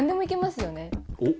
おっ。